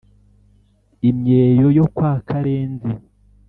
imyeyo yo kwa karenzi